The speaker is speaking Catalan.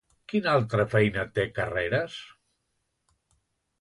Quina altra feina té Carreras?